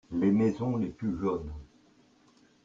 Les maisons les plus jaunes.